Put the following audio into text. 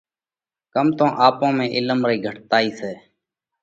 ڪم تو آپون ۾ عِلم رئِي گھٽتائِي سئہ۔